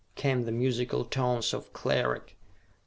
came the musical tones of Cleric.